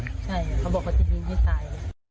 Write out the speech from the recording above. ใช่เขาบอกว่าจะยิ้มที่ซ้าย